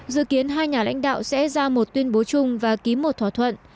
dự kiến hai nhà lãnh đạo sẽ ra một tuyên bố chung và ký một thỏa thuận